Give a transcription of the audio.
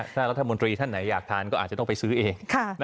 ถ้ารัฐมนตรีท่านไหนอยากทานก็อาจจะต้องไปซื้อเอง